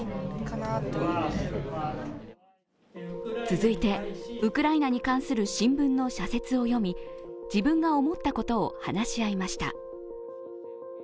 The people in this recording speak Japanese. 続いてウクライナに関する新聞の社説を読み、自分が思ったことを話し合いました。